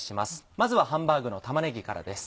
まずはハンバーグの玉ねぎからです。